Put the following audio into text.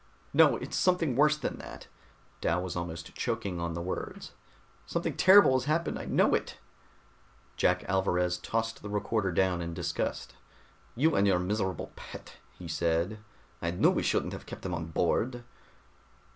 "No, it's something worse than that." Dal was almost choking on the words. "Something terrible has happened. I know it." Jack Alvarez tossed the recorder down in disgust. "You and your miserable pet!" he said. "I knew we shouldn't have kept him on board."